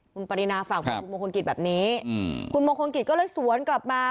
คุณปรินาฝากบอกคุณมงคลกิจแบบนี้คุณมงคลกิจก็เลยสวนกลับมา